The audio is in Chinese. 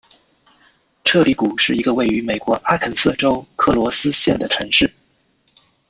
彻里谷是一个位于美国阿肯色州克罗斯县的城市。